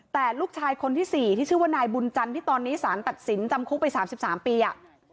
แต่ลูกชายคนที่๔ที่ชื่อว่านายบุญจันทร์ที่ตอนนี้สารตัดสินจำคุกไป๓๓ปีอ่ะ